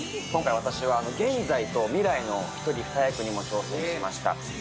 今回、私は、現在と未来の１人２役に挑戦しました。